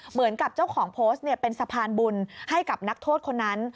เหมือนกับเจ้าของโพสต์เป็นสะพานบุญให้กับนักโทษคนนั้น